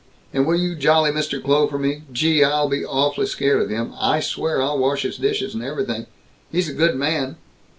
"And will you jolly Mr. Kloh for me? Gee, I'll be awfully scared of him. I swear, I'll wash his dishes and everything. He's a good man.